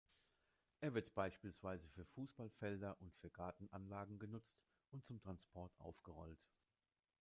Er wird beispielsweise für Fußballfelder und für Gartenanlagen genutzt und zum Transport aufgerollt.